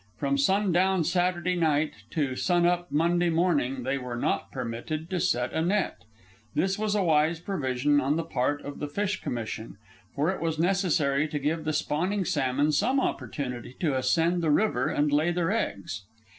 From sun down Saturday night to sun up Monday morning, they were not permitted to set a net. This was a wise provision on the part of the Fish Commission, for it was necessary to give the spawning salmon some opportunity to ascend the river and lay their eggs.